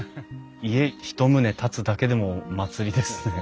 家一棟建つだけでも祭りですね。